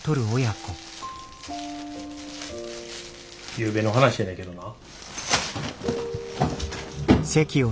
ゆうべの話やねんけどな。